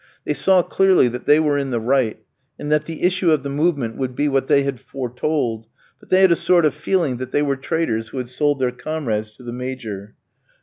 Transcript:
They saw clearly that they were in the right, and that the issue of the movement would be what they had foretold, but they had a sort of feeling that they were traitors who had sold their comrades to the Major.